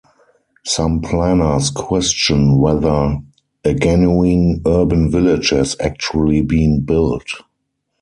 Some planners question whether a genuine urban village has actually been built.